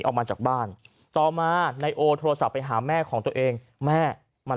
ออกมาจากบ้านต่อมานายโอโทรศัพท์ไปหาแม่ของตัวเองแม่มัน